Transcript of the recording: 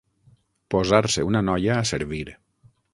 Posar-se una noia a servir.